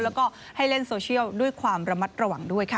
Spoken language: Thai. แล้วก็ให้เล่นโซเชียลด้วยความระมัดระวังด้วยค่ะ